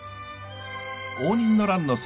応仁の乱の際